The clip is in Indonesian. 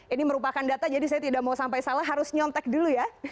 ini merupakan data jadi saya tidak mau sampai salah harus nyontek dulu ya